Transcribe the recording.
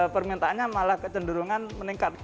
permintaannya malah kecenderungan meningkat